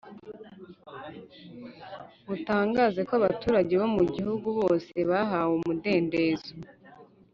mutangaze ko abaturage bo mu gihugu bose bahawe umudendezo